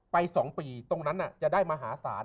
๒ปีตรงนั้นจะได้มหาศาล